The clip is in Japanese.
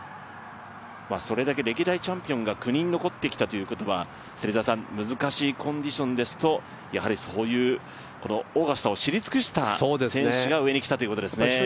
それだけ歴代チャンピオンが９人残ってきたということは、難しいコンディションですと、オーガスタを知り尽くした選手が残ってくるということですね。